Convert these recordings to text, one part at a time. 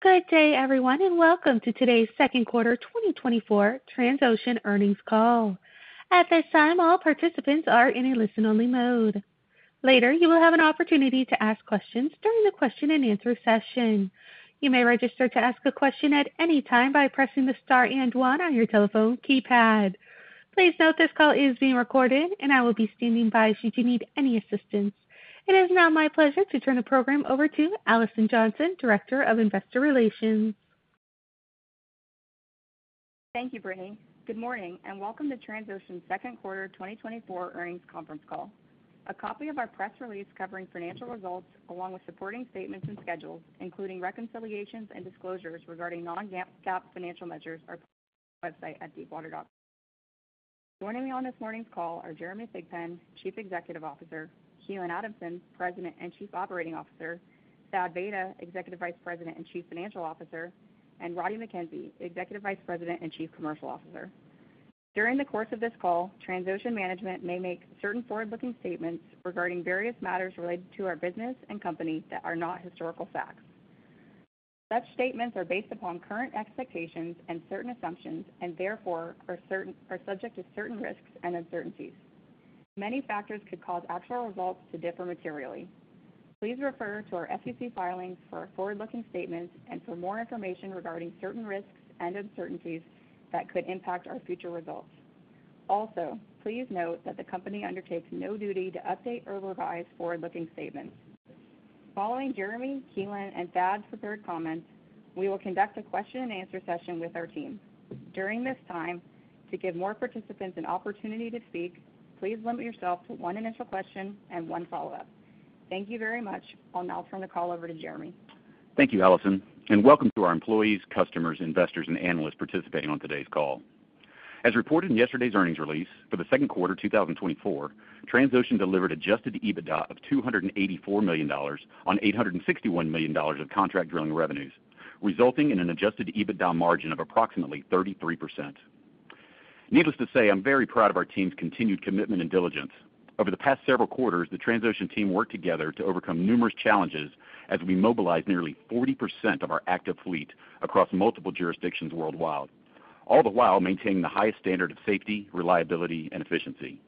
Good day, everyone, and welcome to today's second quarter 2024 Transocean earnings call. At this time, all participants are in a listen-only mode. Later, you will have an opportunity to ask questions during the question-and-answer session. You may register to ask a question at any time by pressing the star and one on your telephone keypad. Please note, this call is being recorded and I will be standing by should you need any assistance. It is now my pleasure to turn the program over to Alison Johnson, Director of Investor Relations. Thank you, Brittany. Good morning, and welcome to Transocean's second quarter 2024 earnings conference call. A copy of our press release covering financial results, along with supporting statements and schedules, including reconciliations and disclosures regarding non-GAAP financial measures, is available on our website at deepwater.com. Joining me on this morning's call are Jeremy Thigpen, Chief Executive Officer; Keelan Adamson, President and Chief Operating Officer; Thad Vayda, Executive Vice President and Chief Financial Officer; and Roddie Mackenzie, Executive Vice President and Chief Commercial Officer. During the course of this call, Transocean management may make certain forward-looking statements regarding various matters related to our business and company that are not historical facts. Such statements are based upon current expectations and certain assumptions, and therefore, are subject to certain risks and uncertainties. Many factors could cause actual results to differ materially. Please refer to our SEC filings for forward-looking statements and for more information regarding certain risks and uncertainties that could impact our future results. Also, please note that the company undertakes no duty to update or revise forward-looking statements. Following Jeremy, Keelan, and Thad's prepared comments, we will conduct a question-and-answer session with our team. During this time, to give more participants an opportunity to speak, please limit yourself to one initial question and one follow-up. Thank you very much. I'll now turn the call over to Jeremy. Thank you, Alison, and welcome to our employees, customers, investors, and analysts participating on today's call. As reported in yesterday's earnings release, for the second quarter 2024, Transocean delivered adjusted EBITDA of $284 million on $861 million of contract drilling revenues, resulting in an adjusted EBITDA margin of approximately 33%. Needless to say, I'm very proud of our team's continued commitment and diligence. Over the past several quarters, the Transocean team worked together to overcome numerous challenges as we mobilized nearly 40% of our active fleet across multiple jurisdictions worldwide, all the while maintaining the highest standard of safety, reliability, and efficiency.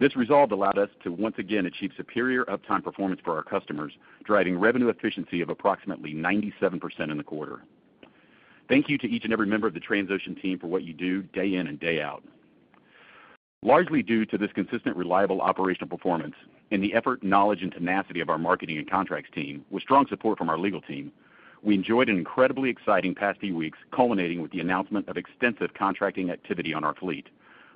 This resolve allowed us to once again achieve superior uptime performance for our customers, driving revenue efficiency of approximately 97% in the quarter. Thank you to each and every member of the Transocean team for what you do day in and day out. Largely due to this consistent, reliable operational performance and the effort, knowledge, and tenacity of our marketing and contracts team, with strong support from our legal team, we enjoyed an incredibly exciting past few weeks, culminating with the announcement of extensive contracting activity on our fleet,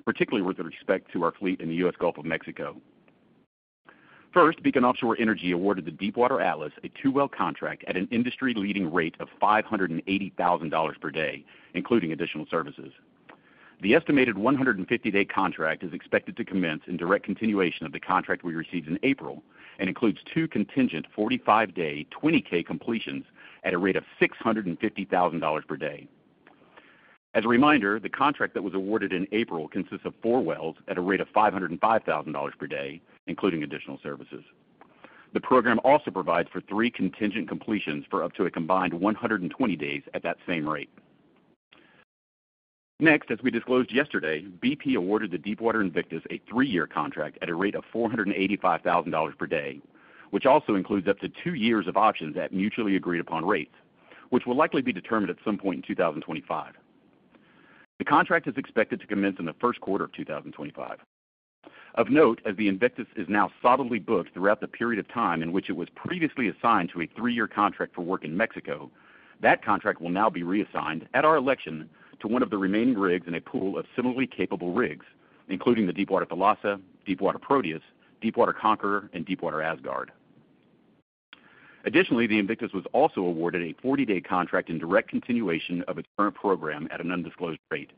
particularly with respect to our fleet in the U.S. Gulf of Mexico. First, Beacon Offshore Energy awarded the Deepwater Atlas a two-well contract at an industry-leading rate of $580,000 per day, including additional services. The estimated 150-day contract is expected to commence in direct continuation of the contract we received in April and includes two contingent 45-day, 20K completions at a rate of $650,000 per day. As a reminder, the contract that was awarded in April consists of four wells at a rate of $505,000 per day, including additional services. The program also provides for three contingent completions for up to a combined 120 days at that same rate. Next, as we disclosed yesterday, BP awarded the Deepwater Invictus a 3-year contract at a rate of $485,000 per day, which also includes up to two years of options at mutually agreed upon rates, which will likely be determined at some point in 2025. The contract is expected to commence in the first quarter of 2025. Of note, as the Invictus is now solidly booked throughout the period of time in which it was previously assigned to a three-year contract for work in Mexico, that contract will now be reassigned at our election, to one of the remaining rigs in a pool of similarly capable rigs, including the Deepwater Thalassa, Deepwater Proteus, Deepwater Conqueror, and Deepwater Asgard. Additionally, the Invictus was also awarded a 40-day contract in direct continuation of its current program at an undisclosed rate,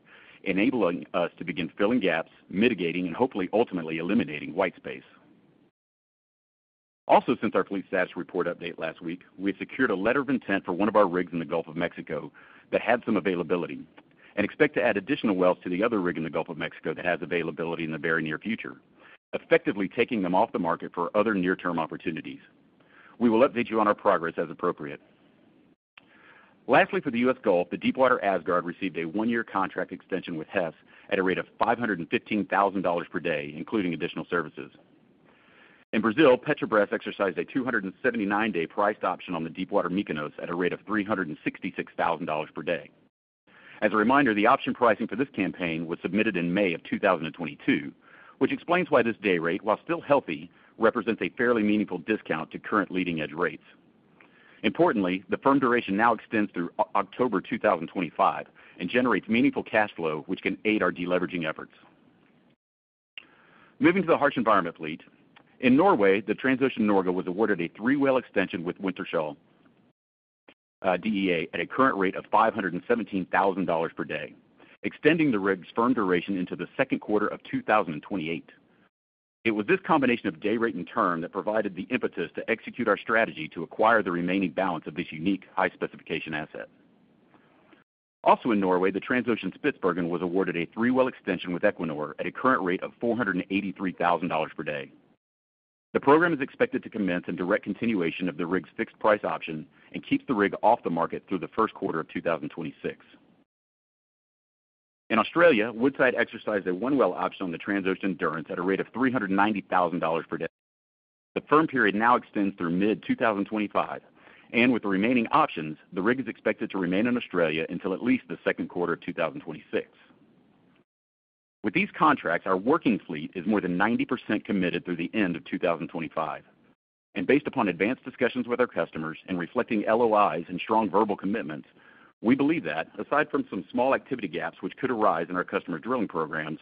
enabling us to begin filling gaps, mitigating, and hopefully ultimately eliminating white space. Also, since our fleet status report update last week, we have secured a letter of intent for one of our rigs in the Gulf of Mexico that had some availability and expect to add additional wells to the other rig in the Gulf of Mexico that has availability in the very near future, effectively taking them off the market for other near-term opportunities. We will update you on our progress as appropriate. Lastly, for the U.S. Gulf, the Deepwater Asgard received a one-year contract extension with Hess at a rate of $515,000 per day, including additional services. In Brazil, Petrobras exercised a 279-day priced option on the Deepwater Mykonos at a rate of $366,000 per day. As a reminder, the option pricing for this campaign was submitted in May of 2022, which explains why this day rate, while still healthy, represents a fairly meaningful discount to current leading-edge rates. Importantly, the firm duration now extends through October 2025 and generates meaningful cash flow, which can aid our deleveraging efforts. Moving to the harsh environment fleet. In Norway, the Transocean Norge was awarded a three-well extension with Wintershall Dea at a current rate of $517,000 per day, extending the rig's firm duration into the second quarter of 2028. It was this combination of day rate and term that provided the impetus to execute our strategy to acquire the remaining balance of this unique high-specification asset. Also in Norway, the Transocean Spitsbergen was awarded a three-well extension with Equinor at a current rate of $483,000 per day. The program is expected to commence in direct continuation of the rig's fixed-price option and keeps the rig off the market through the first quarter of 2026. In Australia, Woodside exercised a one-well option on the Transocean Endurance at a rate of $390,000 per day. The firm period now extends through mid-2025, and with the remaining options, the rig is expected to remain in Australia until at least the second quarter of 2026. With these contracts, our working fleet is more than 90% committed through the end of 2025, and based upon advanced discussions with our customers and reflecting LOIs and strong verbal commitments, we believe that aside from some small activity gaps which could arise in our customer drilling programs,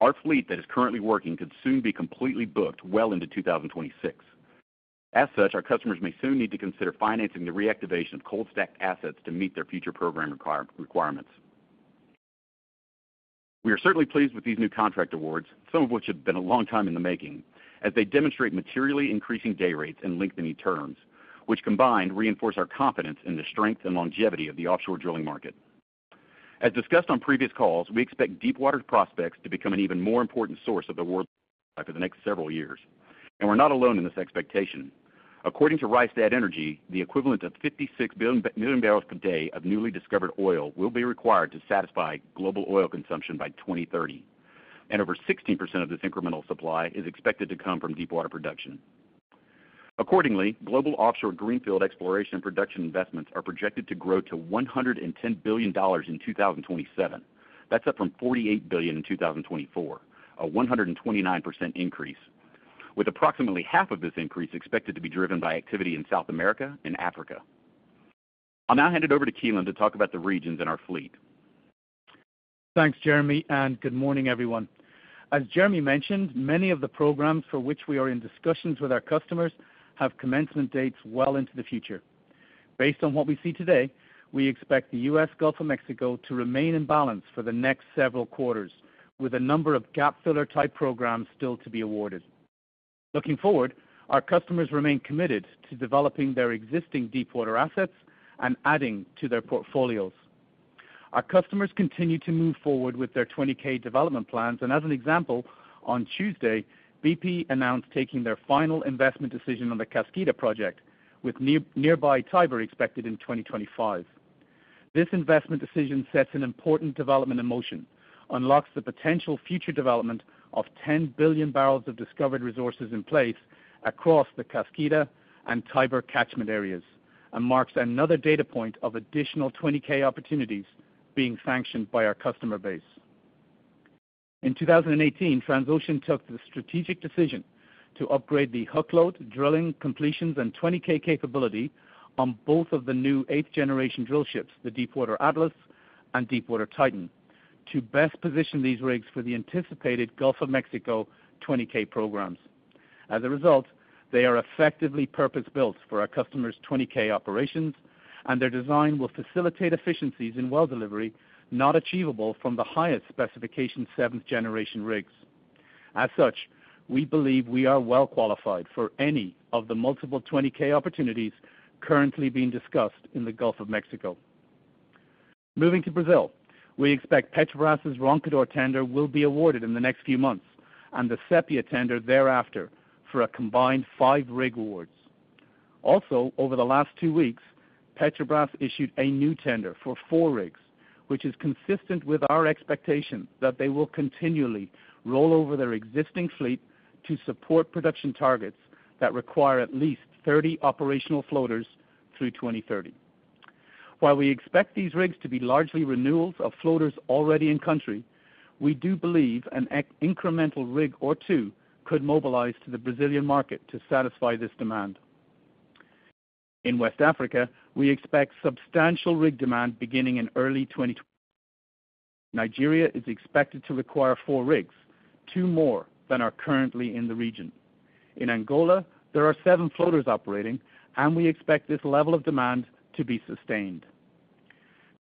our fleet that is currently working could soon be completely booked well into 2026. As such, our customers may soon need to consider financing the reactivation of cold-stacked assets to meet their future program requirements. We are certainly pleased with these new contract awards, some of which have been a long time in the making, as they demonstrate materially increasing day rates and lengthening terms, which combined, reinforce our confidence in the strength and longevity of the offshore drilling market. As discussed on previous calls, we expect deepwater prospects to become an even more important source of the world for the next several years, and we're not alone in this expectation. According to Rystad Energy, the equivalent of 56 million barrels per day of newly discovered oil will be required to satisfy global oil consumption by 2030, and over 16% of this incremental supply is expected to come from deepwater production. Accordingly, global offshore greenfield exploration and production investments are projected to grow to $110 billion in 2027. That's up from $48 billion in 2024, a 129% increase, with approximately half of this increase expected to be driven by activity in South America and Africa. I'll now hand it over to Keelan to talk about the regions in our fleet. Thanks, Jeremy, and good morning, everyone. As Jeremy mentioned, many of the programs for which we are in discussions with our customers have commencement dates well into the future. Based on what we see today, we expect the U.S. Gulf of Mexico to remain in balance for the next several quarters, with a number of gap-filler type programs still to be awarded. Looking forward, our customers remain committed to developing their existing deepwater assets and adding to their portfolios. Our customers continue to move forward with their 20K development plans, and as an example, on Tuesday, BP announced taking their final investment decision on the Kaskida project, with nearby Tiber expected in 2025. This investment decision sets an important development in motion, unlocks the potential future development of 10 billion barrels of discovered resources in place across the Kaskida and Tiber catchment areas, and marks another data point of additional 20K opportunities being sanctioned by our customer base. In 2018, Transocean took the strategic decision to upgrade the hookload, drilling, completions, and 20K capability on both of the new eighth-generation drill ships, the Deepwater Atlas and Deepwater Titan, to best position these rigs for the anticipated Gulf of Mexico 20K programs. As a result, they are effectively purpose-built for our customers' 20K operations, and their design will facilitate efficiencies in well delivery, not achievable from the highest specification seventh-generation rigs. As such, we believe we are well qualified for any of the multiple 20K opportunities currently being discussed in the Gulf of Mexico. Moving to Brazil, we expect Petrobras' Roncador tender will be awarded in the next few months, and the Sepia tender thereafter for a combined 5-rig awards. Also, over the last two weeks, Petrobras issued a new tender for 4 rigs, which is consistent with our expectation that they will continually roll over their existing fleet to support production targets that require at least 30 operational floaters through 2030. While we expect these rigs to be largely renewals of floaters already in country, we do believe an incremental rig or two could mobilize to the Brazilian market to satisfy this demand. In West Africa, we expect substantial rig demand beginning in early 2025. Nigeria is expected to require 4 rigs, 2 more than are currently in the region. In Angola, there are 7 floaters operating, and we expect this level of demand to be sustained.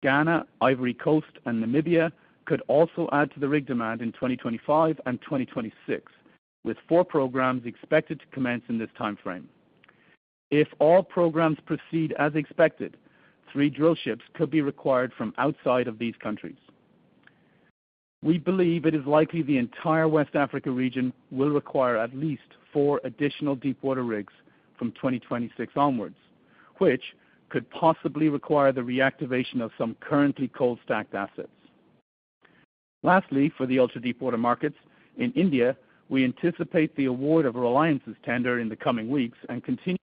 Ghana, Ivory Coast, and Namibia could also add to the rig demand in 2025 and 2026, with 4 programs expected to commence in this timeframe. If all programs proceed as expected, 3 drill ships could be required from outside of these countries. We believe it is likely the entire West Africa region will require at least 4 additional deepwater rigs from 2026 onwards, which could possibly require the reactivation of some currently cold-stacked assets. Lastly, for the ultra-deepwater markets, in India, we anticipate the award of Reliance's tender in the coming weeks and continue...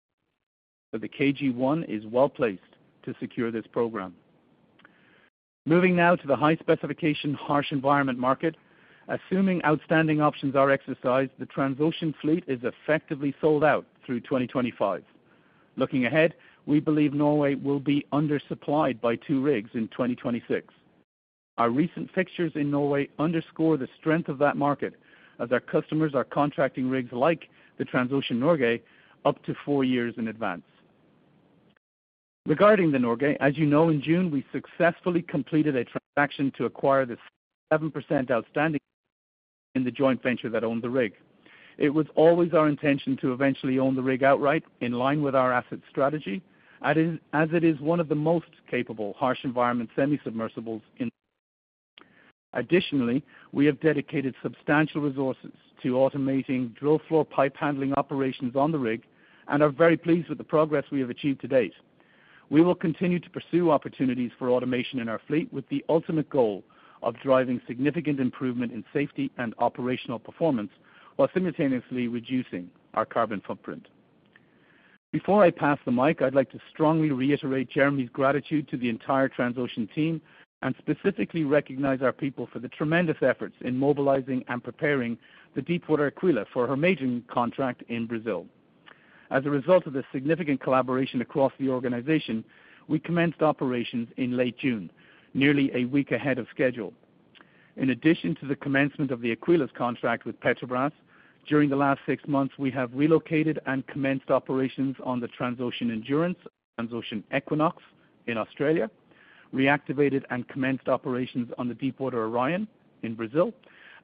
The KG1 is well placed to secure this program. Moving now to the high-specification, harsh environment market. Assuming outstanding options are exercised, the Transocean fleet is effectively sold out through 2025. Looking ahead, we believe Norway will be undersupplied by 2 rigs in 2026. Our recent fixtures in Norway underscore the strength of that market as our customers are contracting rigs like the Transocean Norge up to four years in advance. Regarding the Norge, as you know, in June, we successfully completed a transaction to acquire the 7% outstanding in the joint venture that owned the rig. It was always our intention to eventually own the rig outright, in line with our asset strategy, as it, as it is one of the most capable harsh environment semi-submersibles in... Additionally, we have dedicated substantial resources to automating drill floor pipe handling operations on the rig, and are very pleased with the progress we have achieved to date. We will continue to pursue opportunities for automation in our fleet, with the ultimate goal of driving significant improvement in safety and operational performance, while simultaneously reducing our carbon footprint. Before I pass the mic, I'd like to strongly reiterate Jeremy's gratitude to the entire Transocean team, and specifically recognize our people for the tremendous efforts in mobilizing and preparing the Deepwater Aquila for her maiden contract in Brazil. As a result of the significant collaboration across the organization, we commenced operations in late June, nearly a week ahead of schedule. In addition to the commencement of the Aquila's contract with Petrobras, during the last six months, we have relocated and commenced operations on the Transocean Endurance, Transocean Equinox in Australia, reactivated and commenced operations on the Deepwater Orion in Brazil,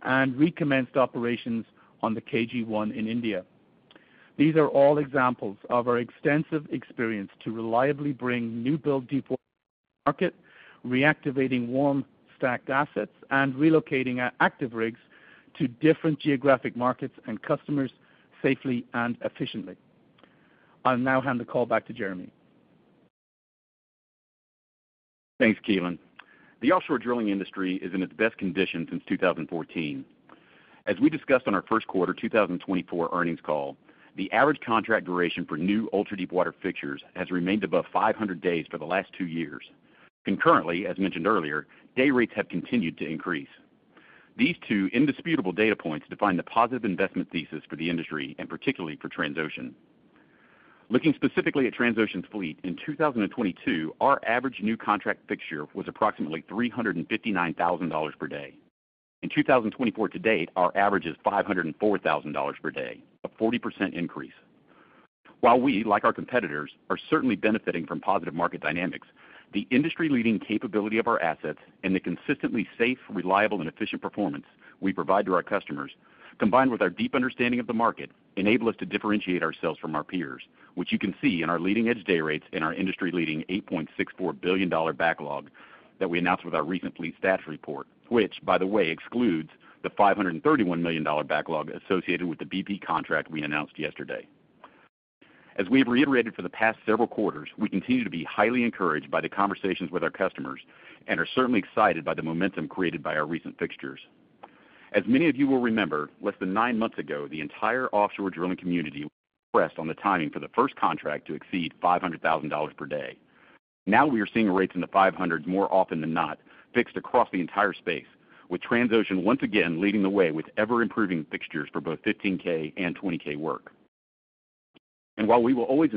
and recommenced operations on the KG1 in India. These are all examples of our extensive experience to reliably bring new-build deepwater market, reactivating warm stacked assets, and relocating our active rigs to different geographic markets and customers safely and efficiently. I'll now hand the call back to Jeremy. Thanks, Keelan. The offshore drilling industry is in its best condition since 2014. As we discussed on our first quarter 2024 earnings call, the average contract duration for new ultra-deepwater fixtures has remained above 500 days for the last two years. Concurrently, as mentioned earlier, day rates have continued to increase. These two indisputable data points define the positive investment thesis for the industry, and particularly for Transocean. Looking specifically at Transocean's fleet, in 2022, our average new contract fixture was approximately $359,000 per day. In 2024 to date, our average is $504,000 per day, a 40% increase. While we, like our competitors, are certainly benefiting from positive market dynamics, the industry-leading capability of our assets and the consistently safe, reliable, and efficient performance we provide to our customers, combined with our deep understanding of the market, enable us to differentiate ourselves from our peers, which you can see in our leading-edge day rates and our industry-leading $8.64 billion backlog that we announced with our recent fleet status report, which, by the way, excludes the $531 million backlog associated with the BP contract we announced yesterday. As we have reiterated for the past several quarters, we continue to be highly encouraged by the conversations with our customers and are certainly excited by the momentum created by our recent fixtures. As many of you will remember, less than nine months ago, the entire offshore drilling community pressed on the timing for the first contract to exceed $500,000 per day. Now we are seeing rates in the $500,000s, more often than not, fixed across the entire space, with Transocean once again leading the way with ever-improving fixtures for both 15K and 20K work. And while we will always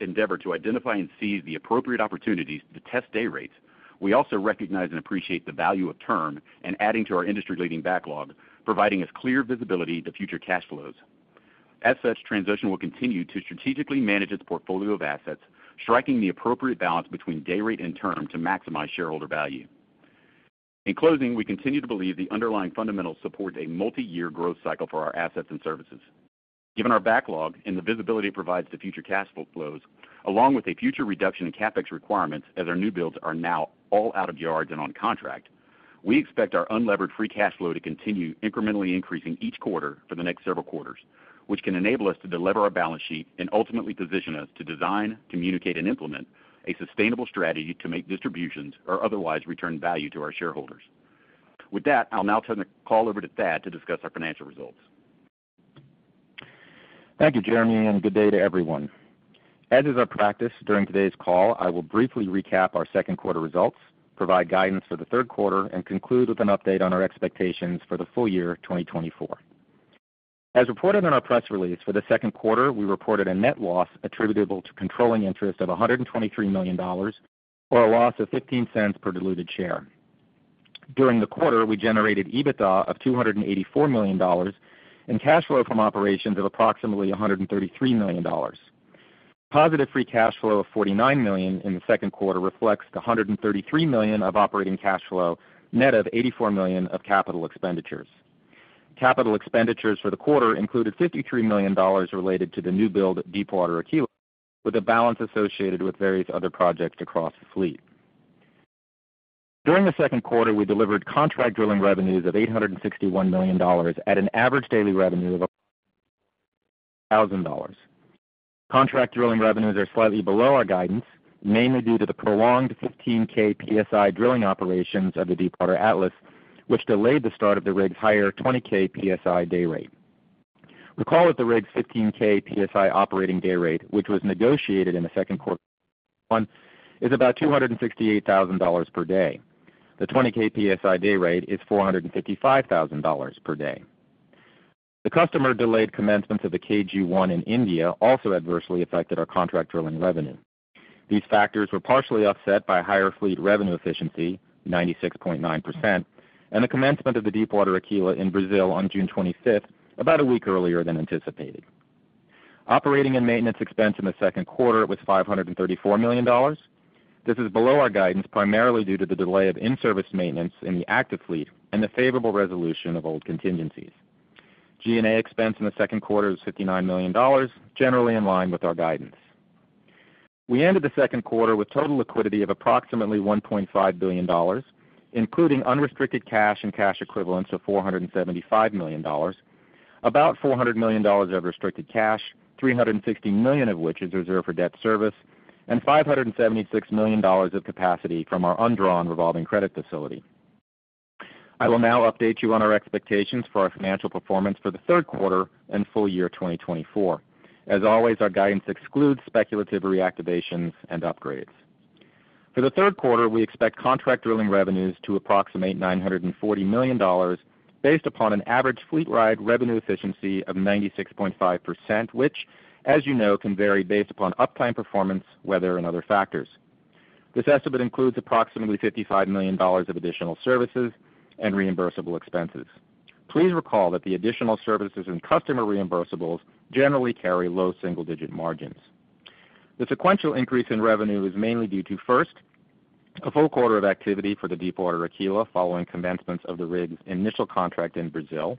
endeavor to identify and seize the appropriate opportunities to test day rates, we also recognize and appreciate the value of term and adding to our industry-leading backlog, providing us clear visibility to future cash flows. As such, Transocean will continue to strategically manage its portfolio of assets, striking the appropriate balance between day rate and term to maximize shareholder value. In closing, we continue to believe the underlying fundamentals support a multi-year growth cycle for our assets and services. Given our backlog and the visibility it provides to future cash flows, along with a future reduction in CapEx requirements, as our new builds are now all out of yards and on contract, we expect our unlevered free cash flow to continue incrementally increasing each quarter for the next several quarters, which can enable us to delever our balance sheet and ultimately position us to design, communicate, and implement a sustainable strategy to make distributions or otherwise return value to our shareholders. With that, I'll now turn the call over to Thad to discuss our financial results. Thank you, Jeremy, and good day to everyone. As is our practice, during today's call, I will briefly recap our second quarter results, provide guidance for the third quarter, and conclude with an update on our expectations for the full year of 2024. As reported in our press release, for the second quarter, we reported a net loss attributable to controlling interest of $123 million, or a loss of $0.15 per diluted share. During the quarter, we generated EBITDA of $284 million, and cash flow from operations of approximately $133 million. Positive free cash flow of $49 million in the second quarter reflects the $133 million of operating cash flow, net of $84 million of capital expenditures. Capital expenditures for the quarter included $53 million related to the new build Deepwater Aquila, with a balance associated with various other projects across the fleet. During the second quarter, we delivered contract drilling revenues of $861 million at an average daily revenue of $1,000. Contract drilling revenues are slightly below our guidance, mainly due to the prolonged 15K psi drilling operations of the Deepwater Atlas, which delayed the start of the rig's higher 20K psi day rate. Recall that the rig's 15K psi operating day rate, which was negotiated in the second quarter, is about $268,000 per day. The 20K psi day rate is $455,000 per day. The customer delayed commencement of the KG1 in India also adversely affected our contract drilling revenue. These factors were partially offset by higher fleet revenue efficiency, 96.9%, and the commencement of the Deepwater Aquila in Brazil on June 25th, about a week earlier than anticipated. Operating and maintenance expense in the second quarter was $534 million. This is below our guidance, primarily due to the delay of in-service maintenance in the active fleet and the favorable resolution of old contingencies. G&A expense in the second quarter is $59 million, generally in line with our guidance. We ended the second quarter with total liquidity of approximately $1.5 billion, including unrestricted cash and cash equivalents of $475 million, about $400 million of restricted cash, $360 million of which is reserved for debt service, and $576 million of capacity from our undrawn revolving credit facility. I will now update you on our expectations for our financial performance for the third quarter and full year 2024. As always, our guidance excludes speculative reactivations and upgrades. For the third quarter, we expect contract drilling revenues to approximate $940 million, based upon an average fleet-wide revenue efficiency of 96.5%, which, as you know, can vary based upon uptime performance, weather, and other factors. This estimate includes approximately $55 million of additional services and reimbursable expenses. Please recall that the additional services and customer reimbursables generally carry low single-digit margins. The sequential increase in revenue is mainly due to, first, a full quarter of activity for the Deepwater Aquila following commencement of the rig's initial contract in Brazil.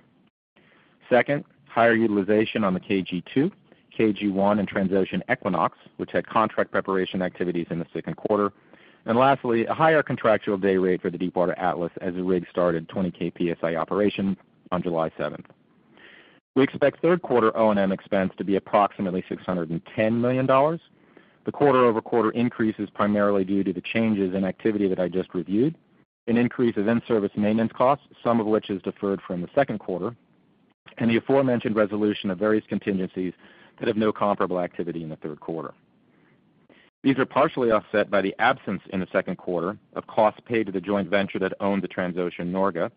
Second, higher utilization on the KG2, KG1, and Transocean Equinox, which had contract preparation activities in the second quarter. And lastly, a higher contractual day rate for the Deepwater Atlas as the rig started 20K psi operation on July 7th. We expect third quarter O&M expense to be approximately $610 million. The quarter-over-quarter increase is primarily due to the changes in activity that I just reviewed, an increase of in-service maintenance costs, some of which is deferred from the second quarter, and the aforementioned resolution of various contingencies that have no comparable activity in the third quarter. These are partially offset by the absence in the second quarter of costs paid to the joint venture that owned the Transocean Norge.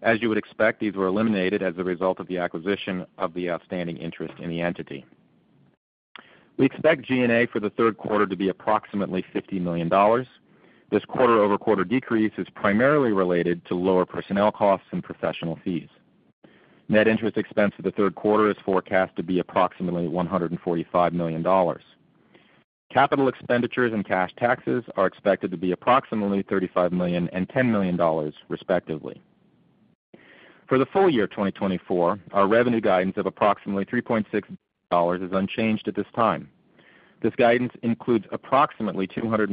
As you would expect, these were eliminated as a result of the acquisition of the outstanding interest in the entity. We expect G&A for the third quarter to be approximately $50 million. This quarter-over-quarter decrease is primarily related to lower personnel costs and professional fees. Net interest expense for the third quarter is forecast to be approximately $145 million. Capital expenditures and cash taxes are expected to be approximately $35 million and $10 million, respectively. For the full year 2024, our revenue guidance of approximately $3.6 billion is unchanged at this time. This guidance includes approximately $215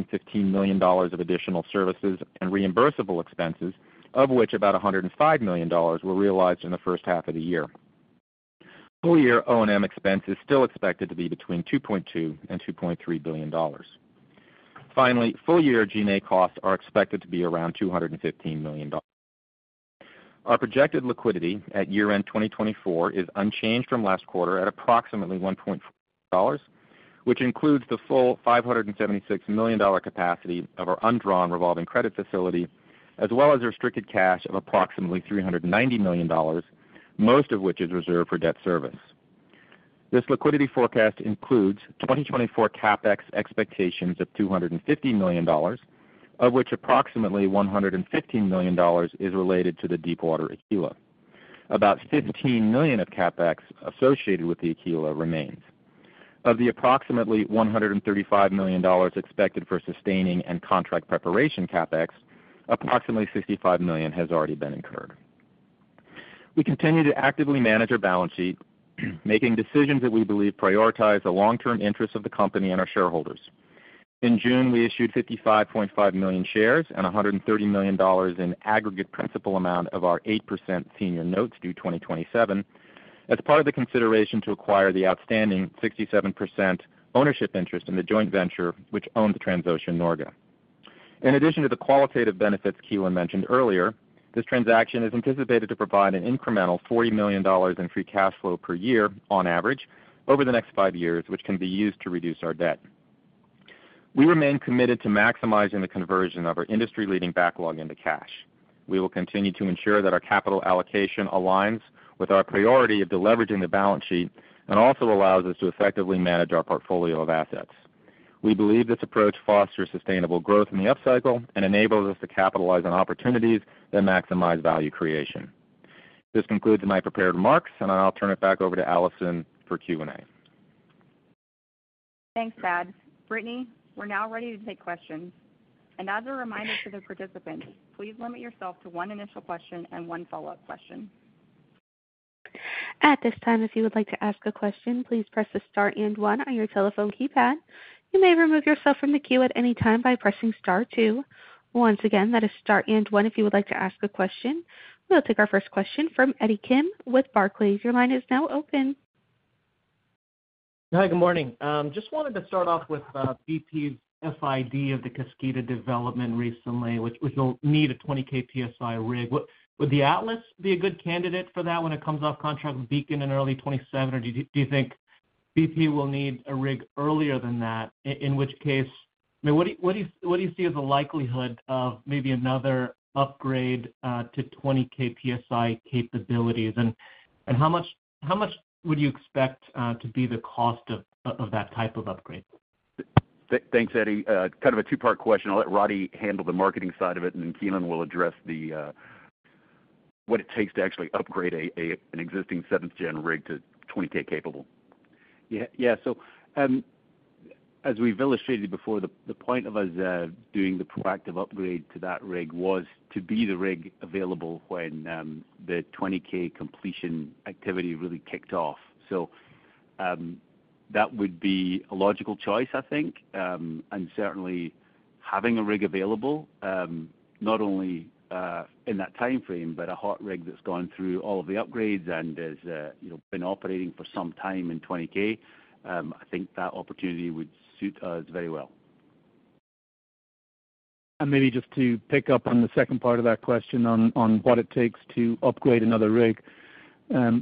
million of additional services and reimbursable expenses, of which about $105 million were realized in the first half of the year. Full year O&M expense is still expected to be between $2.2 billion and $2.3 billion. Finally, full year G&A costs are expected to be around $215 million. Our projected liquidity at year-end 2024 is unchanged from last quarter at approximately $1.4 billion, which includes the full $576 million capacity of our undrawn revolving credit facility, as well as restricted cash of approximately $390 million, most of which is reserved for debt service. This liquidity forecast includes 2024 CapEx expectations of $250 million, of which approximately $115 million is related to the Deepwater Aquila. About $15 million of CapEx associated with the Aquila remains. Of the approximately $135 million expected for sustaining and contract preparation CapEx, approximately $65 million has already been incurred. We continue to actively manage our balance sheet, making decisions that we believe prioritize the long-term interests of the company and our shareholders. In June, we issued 55.5 million shares and $130 million in aggregate principal amount of our 8% senior notes due 2027, as part of the consideration to acquire the outstanding 67% ownership interest in the joint venture, which owns Transocean Norge. In addition to the qualitative benefits Keelan mentioned earlier, this transaction is anticipated to provide an incremental $40 million in free cash flow per year on average over the next 5 years, which can be used to reduce our debt. We remain committed to maximizing the conversion of our industry-leading backlog into cash. We will continue to ensure that our capital allocation aligns with our priority of deleveraging the balance sheet and also allows us to effectively manage our portfolio of assets. We believe this approach fosters sustainable growth in the upcycle and enables us to capitalize on opportunities that maximize value creation. This concludes my prepared remarks, and I'll turn it back over to Alison for Q&A. Thanks, Thad. Brittany, we're now ready to take questions. As a reminder to the participants, please limit yourself to one initial question and one follow-up question. At this time, if you would like to ask a question, please press star and one on your telephone keypad. You may remove yourself from the queue at any time by pressing star two. Once again, that is star and one if you would like to ask a question. We'll take our first question from Eddie Kim with Barclays. Your line is now open. Hi, good morning. Just wanted to start off with BP's FID of the Kaskida development recently, which will need a 20K psi rig. Would the Atlas be a good candidate for that when it comes off contract with Beacon in early 2027? Or do you think BP will need a rig earlier than that? In which case... I mean, what do you see as the likelihood of maybe another upgrade to 20K psi capabilities? And how much would you expect to be the cost of that type of upgrade? Thanks, Eddie. Kind of a two-part question. I'll let Roddie handle the marketing side of it, and then Keelan will address the,... what it takes to actually upgrade an existing seventh-gen rig to 20K capable? Yeah, yeah. So, as we've illustrated before, the point of us doing the proactive upgrade to that rig was to be the rig available when the 20K completion activity really kicked off. So, that would be a logical choice, I think. And certainly having a rig available, not only in that time frame, but a hot rig that's gone through all of the upgrades and is, you know, been operating for some time in 20K, I think that opportunity would suit us very well. Maybe just to pick up on the second part of that question on what it takes to upgrade another rig.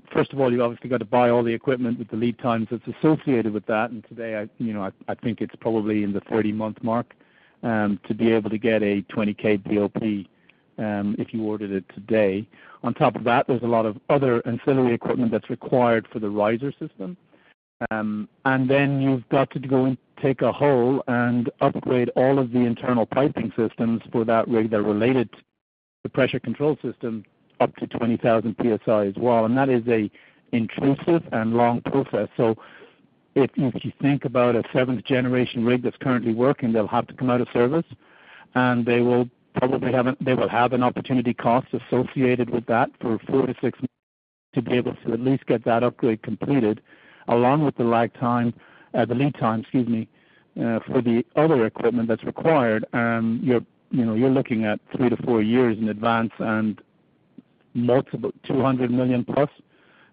First of all, you've obviously got to buy all the equipment with the lead times that's associated with that. And today, you know, I think it's probably in the 30-month mark to be able to get a 20K BOP, if you ordered it today. On top of that, there's a lot of other ancillary equipment that's required for the riser system. And then you've got to go and take a hole and upgrade all of the internal piping systems for that rig that are related to the pressure control system up to 20,000 psi as well. And that is an intrusive and long process. So if you think about a seventh generation rig that's currently working, they'll have to come out of service, and they will probably have—they will have an opportunity cost associated with that for four to six months to be able to at least get that upgrade completed, along with the lag time, the lead time, excuse me, for the other equipment that's required. You're, you know, you're looking at three to four years in advance and multiple $200 million+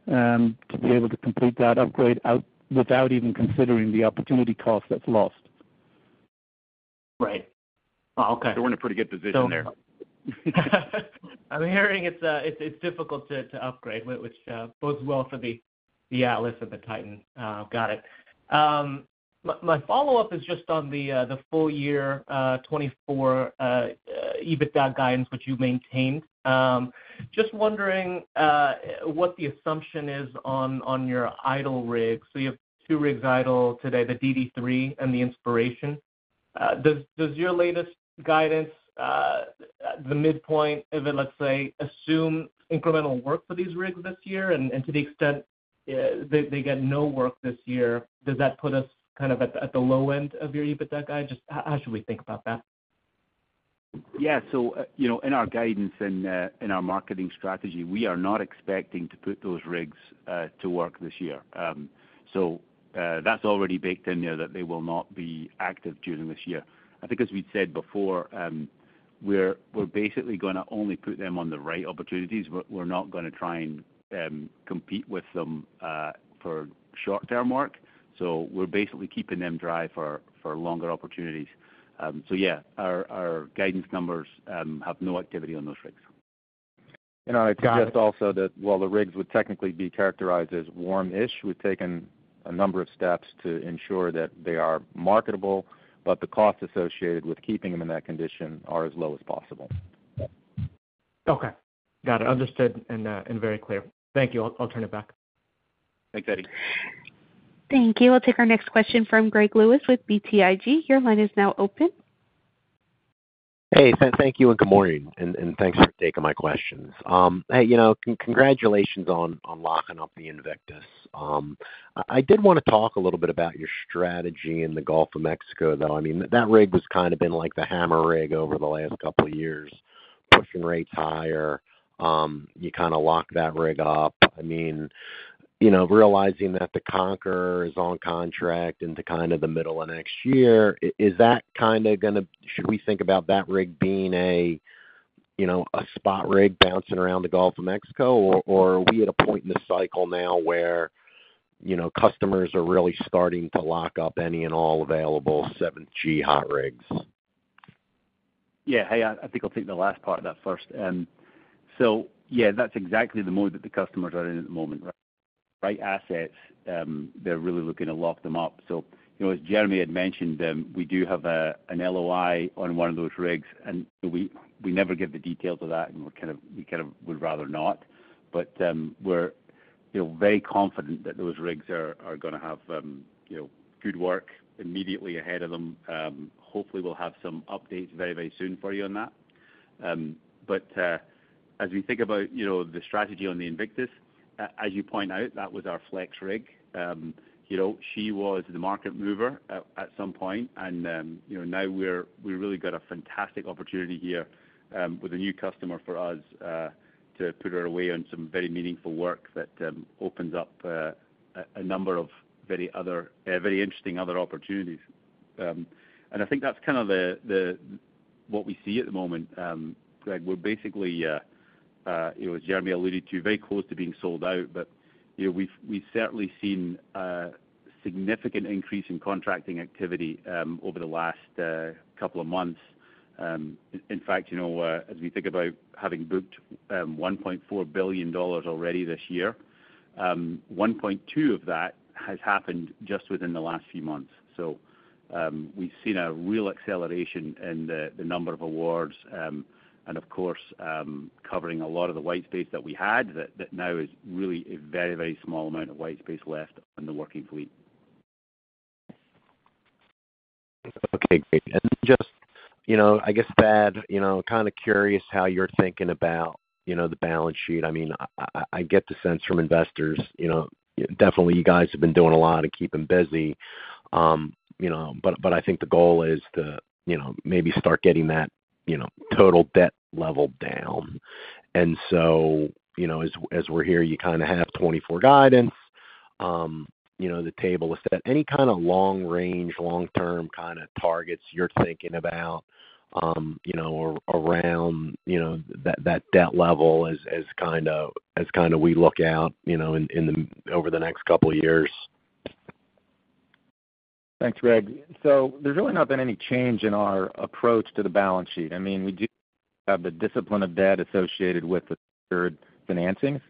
to be able to complete that upgrade out, without even considering the opportunity cost that's lost. Right. Okay. We're in a pretty good position there. I'm hearing it's difficult to upgrade, which bodes well for the Atlas and the Titan. Got it. My follow-up is just on the full year 2024 EBITDA guidance, which you maintained. Just wondering what the assumption is on your idle rigs. So you have two rigs idle today, the DD3 and the Inspiration. Does your latest guidance, the midpoint of it, let's say, assume incremental work for these rigs this year? And to the extent they get no work this year, does that put us kind of at the low end of your EBITDA guide? Just how should we think about that? Yeah. So, you know, in our guidance and, in our marketing strategy, we are not expecting to put those rigs, to work this year. So, that's already baked in there, that they will not be active during this year. I think, as we'd said before, we're, we're basically gonna only put them on the right opportunities. We're, we're not gonna try and, compete with them, for short-term work. So we're basically keeping them dry for, for longer opportunities. So yeah, our, our guidance numbers, have no activity on those rigs. I'd suggest also that while the rigs would technically be characterized as warm-ish, we've taken a number of steps to ensure that they are marketable, but the costs associated with keeping them in that condition are as low as possible. Okay. Got it. Understood, and very clear. Thank you. I'll turn it back. Thanks, Eddie. Thank you. We'll take our next question from Greg Lewis with BTIG. Your line is now open. Hey, thank you, and good morning, and thanks for taking my questions. Hey, you know, congratulations on locking up the Invictus. I did wanna talk a little bit about your strategy in the Gulf of Mexico, though. I mean, that rig has kind of been like the hammer rig over the last couple of years, pushing rates higher. You kinda locked that rig up. I mean, you know, realizing that the Conqueror is on contract into kind of the middle of next year, is that kinda gonna...? Should we think about that rig being a, you know, a spot rig bouncing around the Gulf of Mexico? Or are we at a point in the cycle now where, you know, customers are really starting to lock up any and all available 7G hot rigs? Yeah. Hey, I, I think I'll take the last part of that first. So yeah, that's exactly the mode that the customers are in at the moment, right? Assets, they're really looking to lock them up. So, you know, as Jeremy had mentioned, we do have a, an LOI on one of those rigs, and we, we never give the details of that, and we're kind of- we kind of would rather not. But, we're, you know, very confident that those rigs are, are gonna have, you know, good work immediately ahead of them. Hopefully, we'll have some updates very, very soon for you on that. But, as we think about, you know, the strategy on the Invictus, a-as you point out, that was our flex rig. You know, she was the market mover at some point, and, you know, now we really got a fantastic opportunity here, with a new customer for us, to put her away on some very meaningful work that opens up a number of very interesting other opportunities. And I think that's kind of the what we see at the moment, Greg. We're basically, you know, as Jeremy alluded to, very close to being sold out, but, you know, we've certainly seen a significant increase in contracting activity over the last couple of months. In fact, you know, as we think about having booked $1.4 billion already this year, $1.2 billion of that has happened just within the last few months. So, we've seen a real acceleration in the number of awards, and of course, covering a lot of the white space that we had, that now is really a very, very small amount of white space left in the working fleet.... Okay, great. And just, you know, I guess, Thad, you know, kind of curious how you're thinking about, you know, the balance sheet. I mean, I get the sense from investors, you know, definitely you guys have been doing a lot to keep them busy. You know, but I think the goal is to, you know, maybe start getting that, you know, total debt level down. And so, you know, as we, as we're here, you kind of have 2024 guidance. You know, the table is set. Any kind of long range, long-term kind of targets you're thinking about, you know, around, you know, that debt level as kind of we look out, you know, in, in the -- over the next couple of years? Thanks, Greg. So there's really not been any change in our approach to the balance sheet. I mean, we do have the discipline of debt associated with the third financings,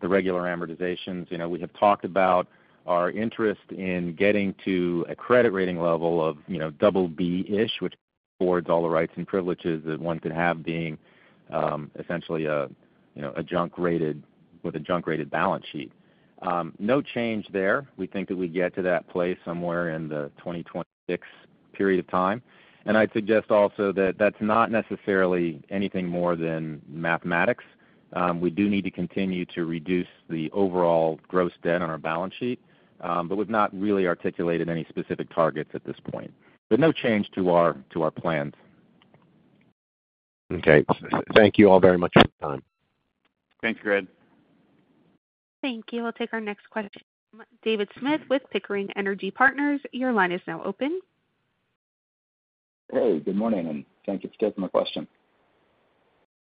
the regular amortizations. You know, we have talked about our interest in getting to a credit rating level of, you know, double B-ish, which affords all the rights and privileges that one could have, being essentially a, you know, a junk rated with a junk rated balance sheet. No change there. We think that we get to that place somewhere in the 2026 period of time. And I'd suggest also that that's not necessarily anything more than mathematics. We do need to continue to reduce the overall gross debt on our balance sheet, but we've not really articulated any specific targets at this point. But no change to our plans. Okay. Thank you all very much for your time. Thanks, Greg. Thank you. We'll take our next question from David Smith with Pickering Energy Partners. Your line is now open. Hey, good morning, and thank you for taking my question.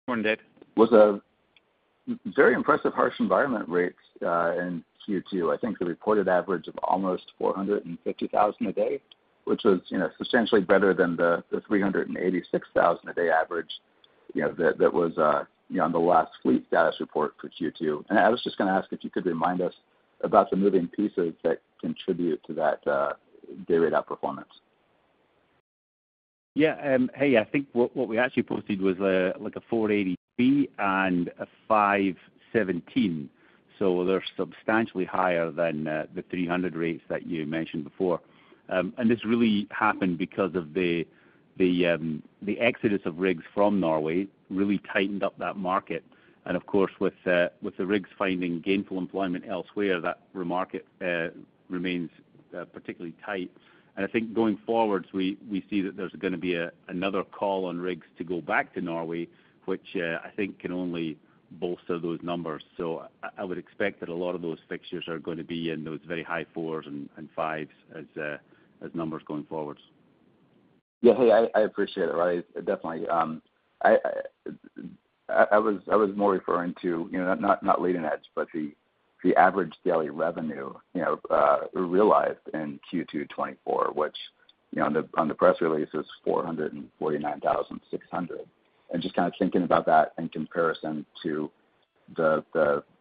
Morning, Dave. It was a very impressive harsh environment rates in Q2. I think the reported average of almost $450,000 a day, which was, you know, substantially better than the $386,000 a day average, you know, that that was, you know, on the last fleet status report for Q2. And I was just gonna ask if you could remind us about the moving pieces that contribute to that day rate outperformance. Yeah, hey, I think what we actually posted was like a $483 and a $517. So they're substantially higher than the $300 rates that you mentioned before. And this really happened because of the exodus of rigs from Norway really tightened up that market. And of course, with the rigs finding gainful employment elsewhere, that market remains particularly tight. And I think going forward, we see that there's gonna be another call on rigs to go back to Norway, which I think can only bolster those numbers. So I would expect that a lot of those fixtures are gonna be in those very high 400s and 500s as numbers going forward. Yeah, hey, I appreciate it. Right. Definitely, I was more referring to, you know, not leading edge, but the average daily revenue, you know, realized in Q2 2024, which, you know, on the press release is $449,600. And just kind of thinking about that in comparison to the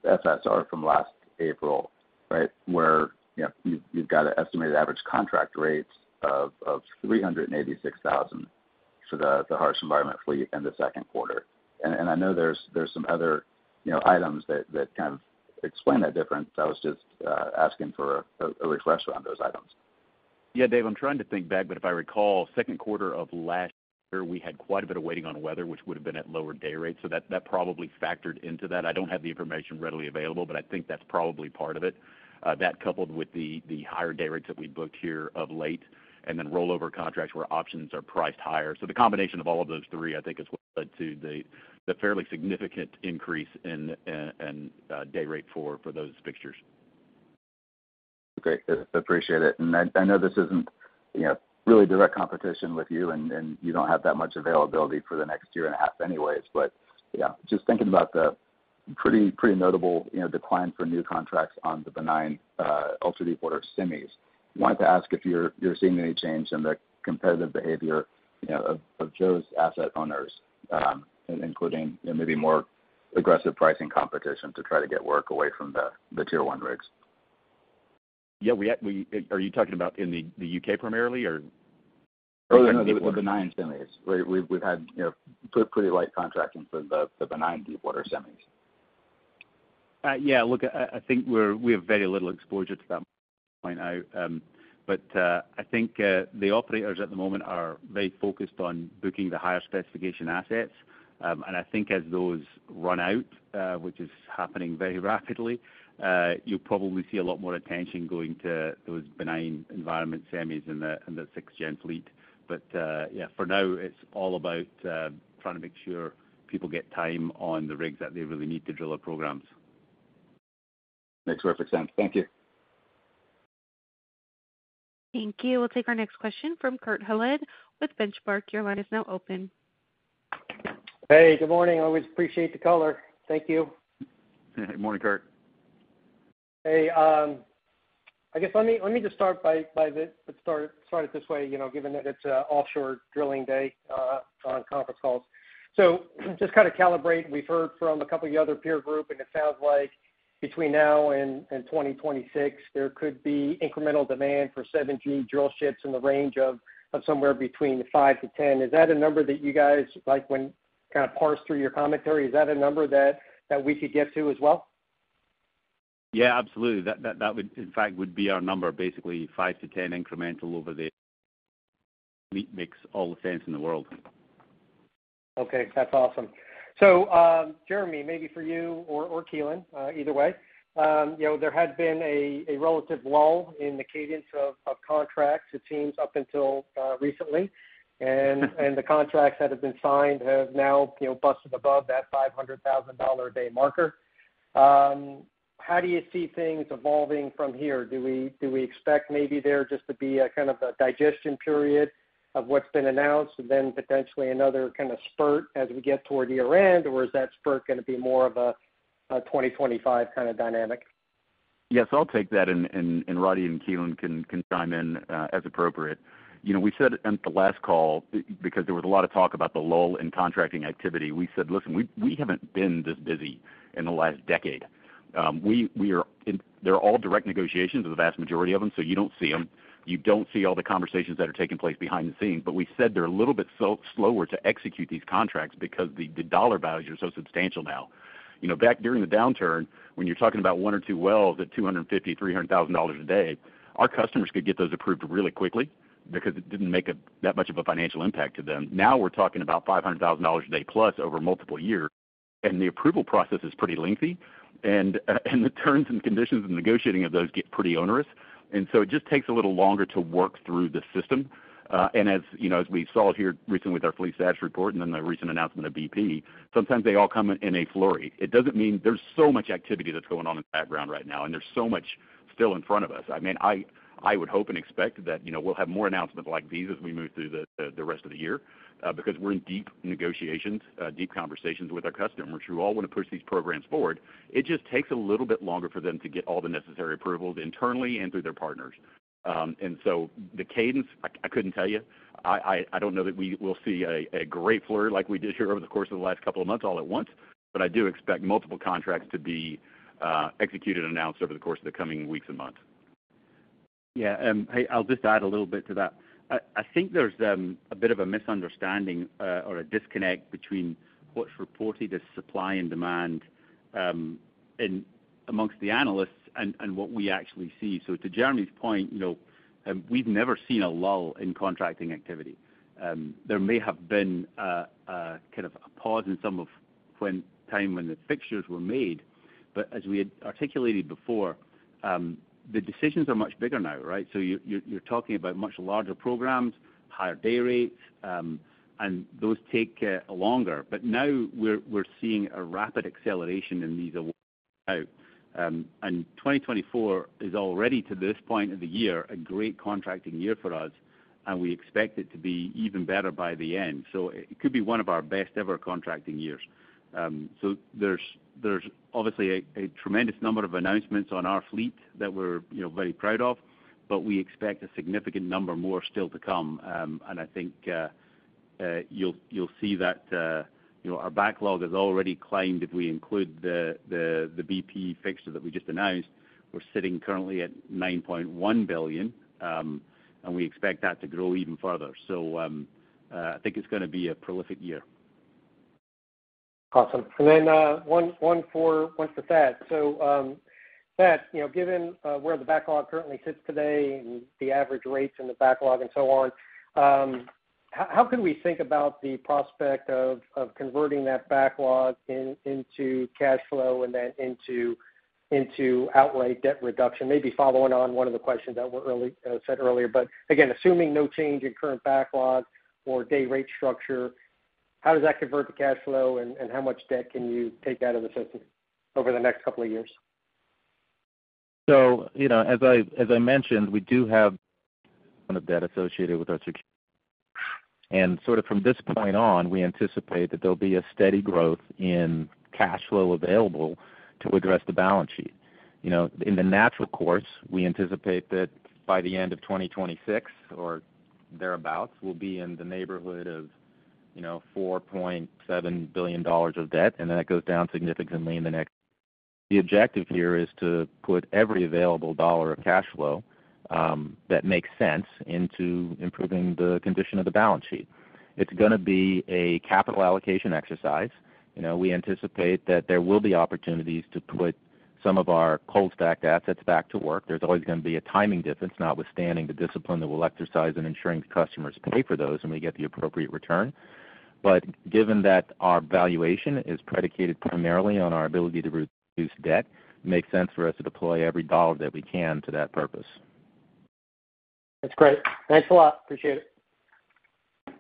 FSR from last April, right? Where, you know, you've got an estimated average contract rates of $386,000 for the harsh environment fleet in the second quarter. And I know there's some other, you know, items that kind of explain that difference. I was just asking for a refresh around those items. Yeah, Dave, I'm trying to think back, but if I recall, second quarter of last year, we had quite a bit of waiting on weather, which would have been at lower day rates. So that, that probably factored into that. I don't have the information readily available, but I think that's probably part of it. That coupled with the higher day rates that we booked here of late, and then rollover contracts where options are priced higher. So the combination of all of those three, I think, is what led to the fairly significant increase in day rate for those fixtures. Great. Appreciate it. And I know this isn't, you know, really direct competition with you, and you don't have that much availability for the next year and a half anyways. But, yeah, just thinking about the pretty, pretty notable, you know, decline for new contracts on the benign ultra-deepwater semis. Wanted to ask if you're seeing any change in the competitive behavior, you know, of those asset owners, including maybe more aggressive pricing competition to try to get work away from the Tier One rigs. Yeah, we have. Are you talking about in the U.K. primarily, or? Oh, no, the benign semis. We've, we've had, you know, pretty light contracting for the, the benign deepwater semis. Yeah, look, I think we have very little exposure to that point now. But, I think the operators at the moment are very focused on booking the higher specification assets. And I think as those run out, which is happening very rapidly, you'll probably see a lot more attention going to those benign environment semis in the sixth-gen fleet. But, yeah, for now, it's all about trying to make sure people get time on the rigs that they really need to drill our programs. Makes perfect sense. Thank you. Thank you. We'll take our next question from Kurt Hallead with Benchmark. Your line is now open. Hey, good morning. I always appreciate the color. Thank you. Morning, Kurt. Hey, I guess let me just start by this—let's start it this way, you know, given that it's offshore drilling day on conference calls. So just kind of calibrate. We've heard from a couple of the other peer group, and it sounds like between now and 2026, there could be incremental demand for 7G drill ships in the range of somewhere between 5-10. Is that a number that you guys, like when kind of parse through your commentary, is that a number that we could get to as well?... Yeah, absolutely. That would, in fact, be our number, basically 5-10 incremental over the mix, all the sense in the world. Okay, that's awesome. So, Jeremy, maybe for you or Keelan, either way, you know, there had been a relative lull in the cadence of contracts, it seems, up until recently. And the contracts that have been signed have now, you know, busted above that $500,000 a day marker. How do you see things evolving from here? Do we expect maybe there just to be a kind of a digestion period of what's been announced, and then potentially another kind of spurt as we get toward the year-end? Or is that spurt gonna be more of a 2025 kind of dynamic? Yes, I'll take that, and Roddie and Keelan can chime in as appropriate. You know, we said in the last call, because there was a lot of talk about the lull in contracting activity, we said, "Listen, we haven't been this busy in the last decade." We are, and they're all direct negotiations of the vast majority of them, so you don't see them. You don't see all the conversations that are taking place behind the scenes. But we said they're a little bit slower to execute these contracts because the dollar values are so substantial now. You know, back during the downturn, when you're talking about one or two wells at $250,000-$300,000 a day, our customers could get those approved really quickly because it didn't make that much of a financial impact to them. Now, we're talking about $500,000 a day plus over multiple years, and the approval process is pretty lengthy, and the terms and conditions and negotiating of those get pretty onerous. And so it just takes a little longer to work through the system. And as you know, as we saw here recently with our fleet status report and then the recent announcement of BP, sometimes they all come in a flurry. It doesn't mean there's so much activity that's going on in the background right now, and there's so much still in front of us. I mean, I would hope and expect that, you know, we'll have more announcements like these as we move through the rest of the year, because we're in deep negotiations, deep conversations with our customers, who all wanna push these programs forward. It just takes a little bit longer for them to get all the necessary approvals internally and through their partners. And so the cadence, I couldn't tell you. I don't know that we will see a great flurry like we did here over the course of the last couple of months, all at once, but I do expect multiple contracts to be executed and announced over the course of the coming weeks and months. Yeah, I'll just add a little bit to that. I think there's a bit of a misunderstanding or a disconnect between what's reported as supply and demand in amongst the analysts and what we actually see. So to Jeremy's point, you know, we've never seen a lull in contracting activity. There may have been a kind of a pause in some of the time when the fixtures were made. But as we had articulated before, the decisions are much bigger now, right? So you're talking about much larger programs, higher day rates, and those take longer. But now we're seeing a rapid acceleration in these awards out. And 2024 is already, to this point of the year, a great contracting year for us, and we expect it to be even better by the end. So it could be one of our best ever contracting years. So there's obviously a tremendous number of announcements on our fleet that we're, you know, very proud of, but we expect a significant number more still to come. And I think you'll see that, you know, our backlog has already climbed. If we include the BP fixture that we just announced, we're sitting currently at $9.1 billion, and we expect that to grow even further. So, I think it's gonna be a prolific year. Awesome. And then one for Thad. So, Thad, you know, given where the backlog currently sits today and the average rates in the backlog and so on, how can we think about the prospect of converting that backlog into cash flow and then into outright debt reduction? Maybe following on one of the questions that were said earlier. But again, assuming no change in current backlog or day rate structure, how does that convert to cash flow, and how much debt can you take out of the system over the next couple of years? So, you know, as I mentioned, we do have a debt associated with our security. And sort of from this point on, we anticipate that there'll be a steady growth in cash flow available to address the balance sheet. You know, in the natural course, we anticipate that by the end of 2026 or thereabout, we'll be in the neighborhood of, you know, $4.7 billion of debt, and then it goes down significantly in the next... The objective here is to put every available dollar of cash flow that makes sense into improving the condition of the balance sheet. It's gonna be a capital allocation exercise. You know, we anticipate that there will be opportunities to put some of our cold stacked assets back to work. There's always gonna be a timing difference, notwithstanding the discipline that we'll exercise in ensuring customers pay for those, and we get the appropriate return. But given that our valuation is predicated primarily on our ability to reduce debt, it makes sense for us to deploy every dollar that we can to that purpose. That's great. Thanks a lot. Appreciate it.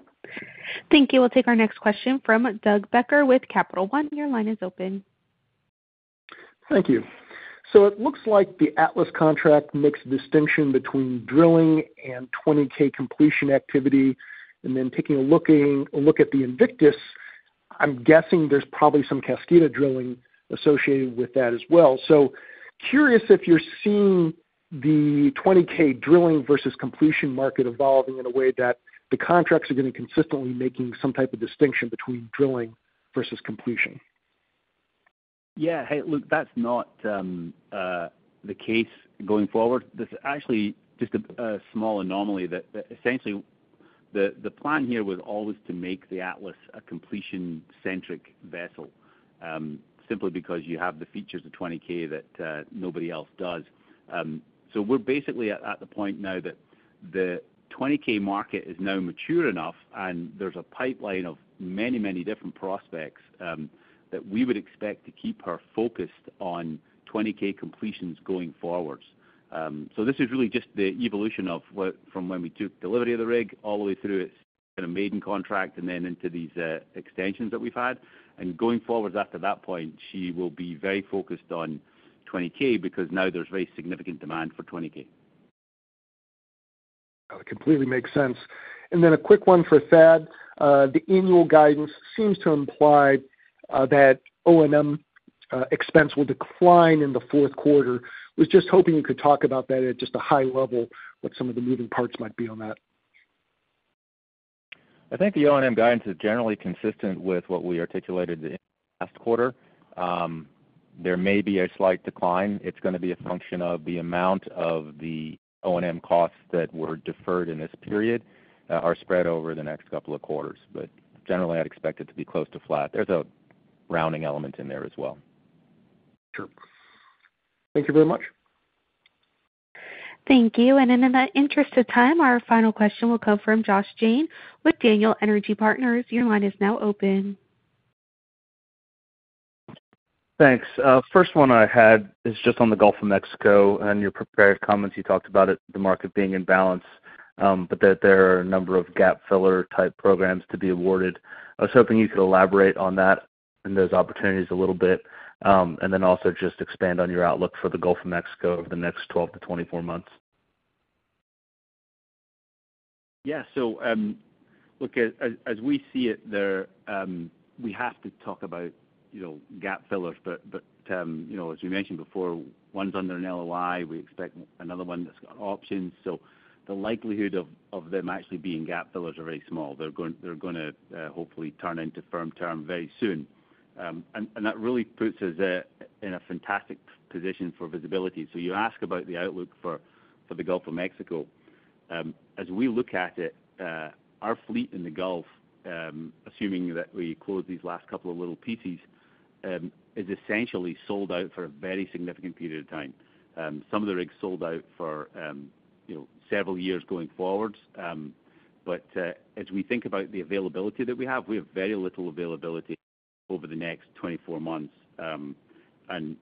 Thank you. We'll take our next question from Doug Becker with Capital One. Your line is open. Thank you. So it looks like the Atlas contract makes a distinction between drilling and 20K completion activity, and then, a look at the Invictus, I'm guessing there's probably some Kaskida drilling associated with that as well. So curious if you're seeing the 20K drilling versus completion market evolving in a way that the contracts are gonna consistently making some type of distinction between drilling versus completion? Yeah. Hey, look, that's not the case going forward. This is actually just a small anomaly that essentially... The plan here was always to make the Atlas a completion-centric vessel, simply because you have the features of 20K that nobody else does. So we're basically at the point now that the 20K market is now mature enough, and there's a pipeline of many, many different prospects, that we would expect to keep her focused on 20K completions going forward. So this is really just the evolution of what-- from when we took delivery of the rig, all the way through its kind of maiden contract, and then into these extensions that we've had. Going forward, after that point, she will be very focused on 20K because now there's very significant demand for 20K. That completely makes sense. Then a quick one for Thad. The annual guidance seems to imply that O&M expense will decline in the fourth quarter. Was just hoping you could talk about that at just a high level, what some of the moving parts might be on that. I think the O&M guidance is generally consistent with what we articulated last quarter. There may be a slight decline. It's gonna be a function of the amount of the O&M costs that were deferred in this period, are spread over the next couple of quarters. But generally, I'd expect it to be close to flat. There's a rounding element in there as well. Sure. Thank you very much. Thank you. And in the interest of time, our final question will come from Josh Jayne with Daniel Energy Partners. Your line is now open. Thanks. First one I had is just on the Gulf of Mexico. In your prepared comments, you talked about it, the market being in balance, but that there are a number of gap-filler type programs to be awarded. I was hoping you could elaborate on that and those opportunities a little bit, and then also just expand on your outlook for the Gulf of Mexico over the next 12 to 24 months. Yeah. So, look, as we see it there, we have to talk about, you know, gap fillers, but, you know, as we mentioned before, one's under an LOI. We expect another one that's got options. So the likelihood of them actually being gap fillers is very small. They're going, they're gonna, hopefully turn into firm term very soon. And that really puts us in a fantastic position for visibility. So you ask about the outlook for the Gulf of Mexico. As we look at it, our fleet in the Gulf, assuming that we close these last couple of little pieces, is essentially sold out for a very significant period of time. Some of the rigs sold out for, you know, several years going forward. But as we think about the availability that we have, we have very little availability over the next 24 months. And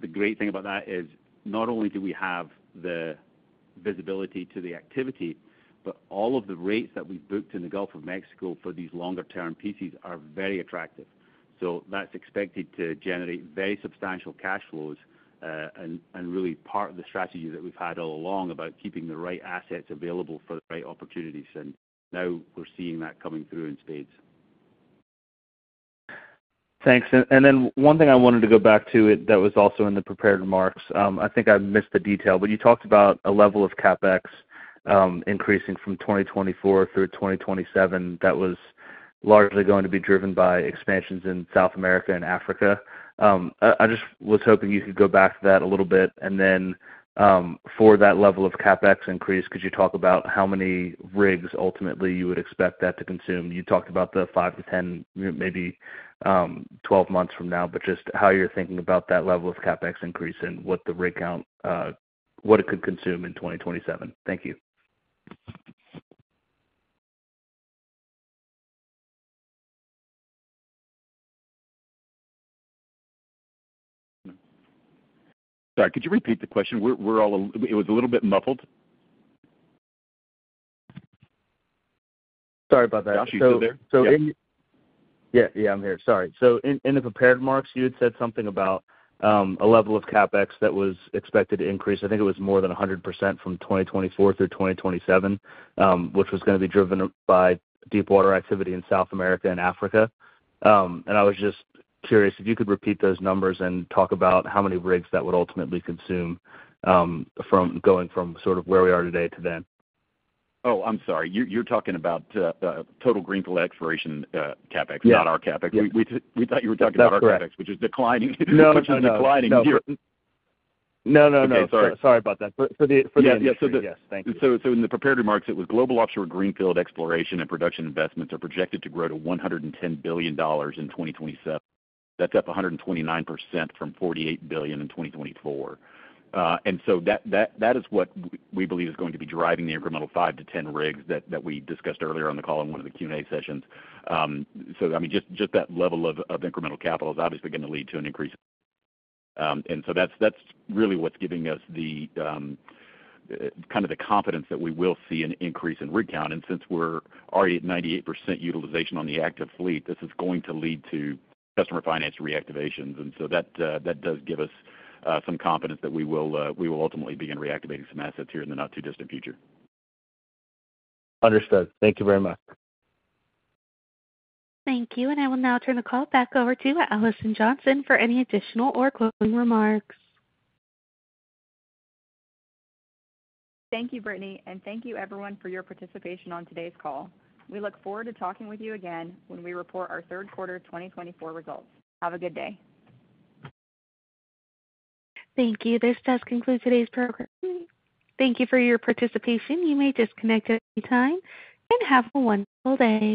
the great thing about that is not only do we have the visibility to the activity, but all of the rates that we've booked in the Gulf of Mexico for these longer-term pieces are very attractive. So that's expected to generate very substantial cash flows, and really part of the strategy that we've had all along about keeping the right assets available for the right opportunities. And now we're seeing that coming through in spades. Thanks. And then one thing I wanted to go back to it, that was also in the prepared remarks. I think I missed the detail, but you talked about a level of CapEx, increasing from 2024 through 2027. That was largely going to be driven by expansions in South America and Africa. I just was hoping you could go back to that a little bit, and then, for that level of CapEx increase, could you talk about how many rigs ultimately you would expect that to consume? You talked about the 5-10, maybe, 12 months from now, but just how you're thinking about that level of CapEx increase and what the rig count, what it could consume in 2027. Thank you. Sorry, could you repeat the question? We're all, it was a little bit muffled. Sorry about that. Josh, you still there? So, so- Yes. Yeah, yeah, I'm here. Sorry. So in the prepared remarks, you had said something about a level of CapEx that was expected to increase. I think it was more than 100% from 2024 through 2027, which was gonna be driven by Deepwater activity in South America and Africa. And I was just curious if you could repeat those numbers and talk about how many rigs that would ultimately consume, from going from sort of where we are today to then. Oh, I'm sorry. You're talking about total greenfield exploration, CapEx- Yeah. Not our CapEx. Yeah. We thought you were talking about- That's correct... our CapEx, which is declining. No, no, no. Which is declining. No. No, no, no. Okay, sorry. Sorry about that. But for the- Yeah, yeah... yes, thank you. So in the prepared remarks, it was global offshore greenfield exploration and production investments are projected to grow to $110 billion in 2027. That's up 129% from $48 billion in 2024. And so that is what we believe is going to be driving the incremental five to 10 rigs that we discussed earlier on the call in one of the Q&A sessions. So I mean, just that level of incremental capital is obviously gonna lead to an increase. And so that's really what's giving us the kind of the confidence that we will see an increase in rig count. And since we're already at 98% utilization on the active fleet, this is going to lead to customer finance reactivations. That does give us some confidence that we will ultimately begin reactivating some assets here in the not-too-distant future. Understood. Thank you very much. Thank you, and I will now turn the call back over to Alison Johnson for any additional or closing remarks. Thank you, Brittany, and thank you everyone for your participation on today's call. We look forward to talking with you again when we report our third quarter of 2024 results. Have a good day. Thank you. This does conclude today's program. Thank you for your participation. You may disconnect at any time, and have a wonderful day.